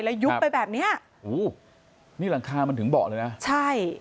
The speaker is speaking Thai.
แล้วยุบไปแบบเนี้ยอู้นี่หลังคามันถึงเบาะเลยนะใช่